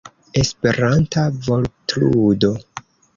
Esperanta vortludo.